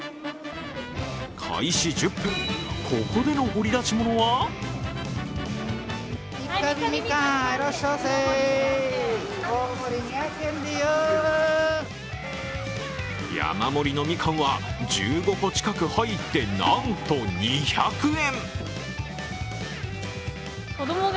開始１０分、ここでの掘り出し物は山盛りのみかんは１５個近く入って、なんと２００円。